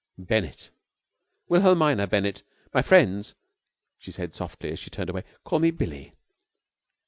"Bennett!" "Wilhelmina Bennett. My friends," she said softly as she turned away, "call me Billie!"